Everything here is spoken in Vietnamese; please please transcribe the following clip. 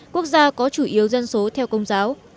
quốc gia có chủ yếu dân số theo công giáo